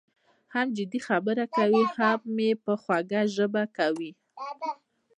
هم جدي خبره کوي او هم یې په خوږه ژبه کوي.